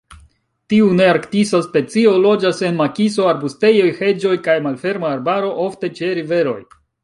Tiu nearktisa specio loĝas en makiso, arbustejoj, heĝoj kaj malferma arbaro, ofte ĉe riveroj.